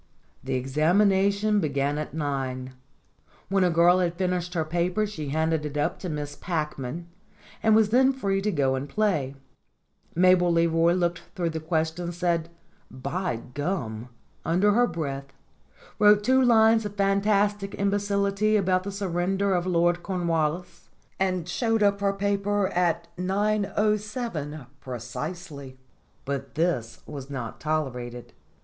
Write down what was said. The examination began at nine; when a girl had 124 STORIES WITHOUT TEARS finished her paper she handed it up to Miss Packman and was then free to go and play. Mabel Leroy looked through the questions, said "By gum!" under her breath, wrote two lines of fantastic imbecility about the surrender of Lord Cornwallis, and showed up her paper at 9.7 precisely. But this was not tolerated.